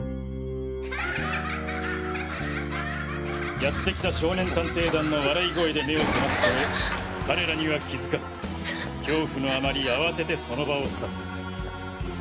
あっはっはやって来た少年探偵団の笑い声で目を覚ますと彼らには気づかず恐怖のあまりあわててその場を去った。